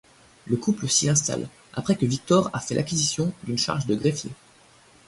Le couple s'y installe, après que Victor a fait l'acquisition d'une charge de greffier.